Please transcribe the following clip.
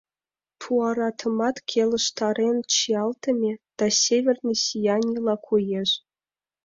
Туаратымат келыштарен чиялтыме да Северный сиянийла коеш.